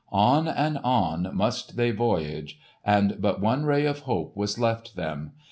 On and on must they voyage, and but one ray of hope was left them.